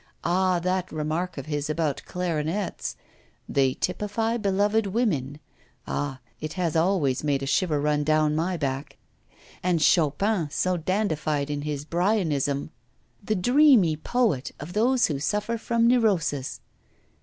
Ah! that remark of his about clarionets: "They typify beloved women." Ah! it has always made a shiver run down my back. And Chopin, so dandified in his Byronism; the dreamy poet of those who suffer from neurosis!